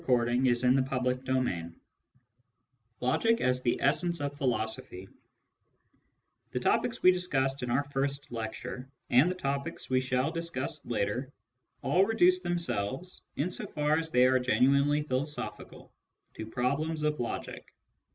t Digitized by Google LECTURE II LOGIC AS THE ESSENCE OF PHILOSOPHY The topics we discussed in our first lecture, and the topics we shall discuss later, all reduce themselves, in so far as they are genuinely philosophical, to problems of logic.